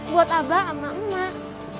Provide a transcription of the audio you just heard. buat abah sama emak